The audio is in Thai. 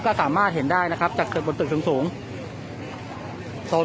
ก็สามารถเห็นได้นะครับจากสิ่งสูงสูงโซน